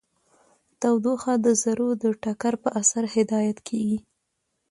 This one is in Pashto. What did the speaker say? تودوخه د ذرو د ټکر په اثر هدایت کیږي.